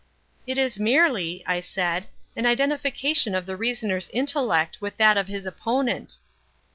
"It is merely," I said, "an identification of the reasoner's intellect with that of his opponent."